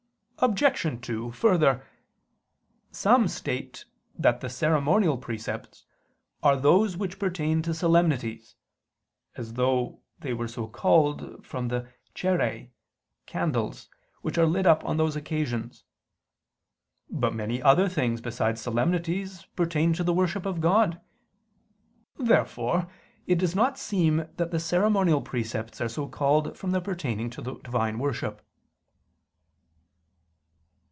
Obj. 2: Further, some state that the ceremonial precepts are those which pertain to solemnities; as though they were so called from the cerei (candles) which are lit up on those occasions. But many other things besides solemnities pertain to the worship of God. Therefore it does not seem that the ceremonial precepts are so called from their pertaining to the Divine worship.